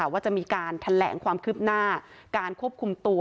ว่าจะมีการแถลงความคืบหน้าการควบคุมตัว